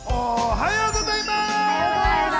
おはようございます。